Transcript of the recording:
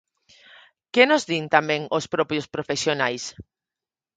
¿Que nos din tamén os propios profesionais?